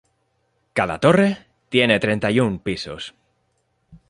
Cada torre tiene treinta y un pisos.